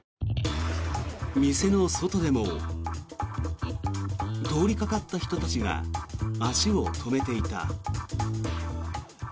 店の外でも通りかかった人たちが足を止めていた。